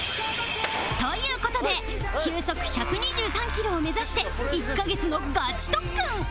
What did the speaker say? という事で球速１２３キロを目指して１カ月のガチ特訓